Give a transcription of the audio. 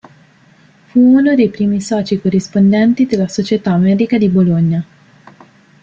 Fu uno dei primi soci corrispondenti della "Società Medica di Bologna".